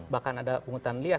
bahkan ada penghutang liah